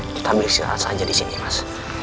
kita ambil siasat saja di sini mas